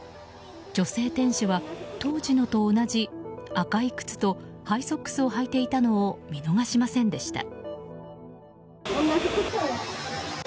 女性店主は当時のと同じ赤い靴とハイソックスをはいていたのを見逃しませんでした。